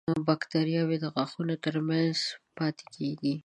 باکتریاوې د غاښونو تر منځ پاتې کېږي.